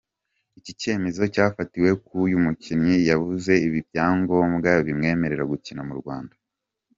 Iki cyemezo cyafatiwe ko uyu mukinnyi yabuze ibyangombwa bimwemerera gukina mu Rwanda.